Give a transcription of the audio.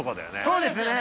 そうですね